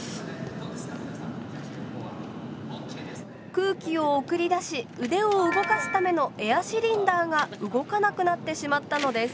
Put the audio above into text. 空気を送り出し腕を動かすためのエアシリンダーが動かなくなってしまったのです。